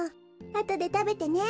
あとでたべてね。